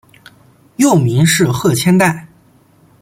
幼名是鹤千代。